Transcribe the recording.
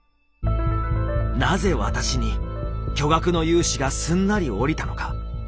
なぜ私に巨額の融資がすんなりおりたのか。